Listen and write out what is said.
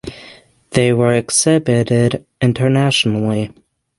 They were exhibited internationally.